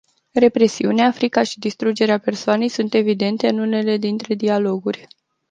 Represiunea, frica și distrugerea persoanei sunt evidente în unele dintre dialoguri.